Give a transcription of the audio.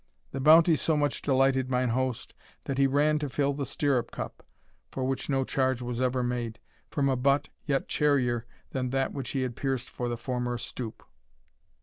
The bounty so much delighted mine host, that he ran to fill the stirrup cup (for which no charge was ever made) from a butt yet charier than that which he had pierced for the former stoup.